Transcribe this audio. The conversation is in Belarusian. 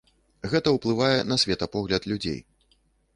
Гэта ўплывае на светапогляд людзей.